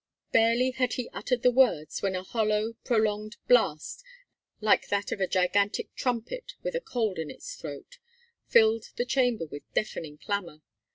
Barely had he uttered the words when a hollow, prolonged blast, like that of a gigantic trumpet with a cold in its throat, filled the chamber with deafening clamour.